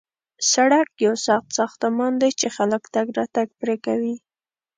سړک یو سخت ساختمان دی چې خلک تګ راتګ پرې کوي